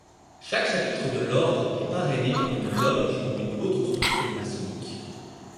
Chaque chapitre de l'Ordre est parrainé par une loge ou une autre structure maçonnique.